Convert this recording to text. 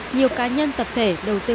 nhiều cá nhân tập thể đầu tư